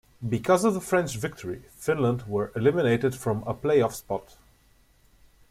Because of the French victory, Finland were eliminated from a playoff spot.